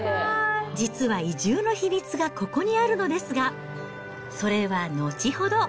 実は移住の秘密がここにあるのですが、それは後ほど。